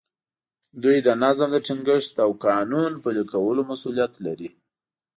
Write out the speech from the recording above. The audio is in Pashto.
دوی د نظم د ټینګښت او قانون پلي کولو مسوولیت لري.